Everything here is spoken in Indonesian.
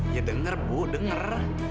ya dengar bu dengar